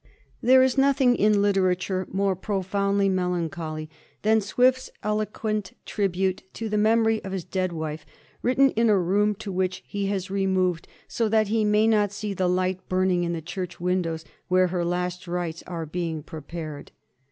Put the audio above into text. There is nothing in literature more profoundly melancholy than Swift's own eloquent tribute to the mem ory of his dead wife, written in a room to which he has removed so that he may not see the light burning in the church windows, where her last rites are being prepared.